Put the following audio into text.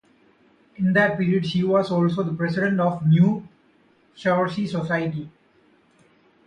In that period, she was also the president of the New Chaucer Society.